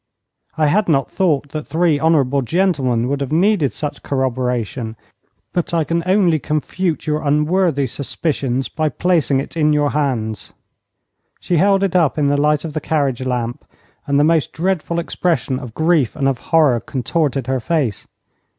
I had not thought that three honourable gentlemen would have needed such corroboration, but I can only confute your unworthy suspicions by placing it in your hands.' She held it up in the light of the carriage lamp, and the most dreadful expression of grief and of horror contorted her face.